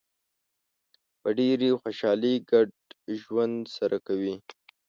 په ډېرې خوشحالۍ ګډ ژوند سره کوي.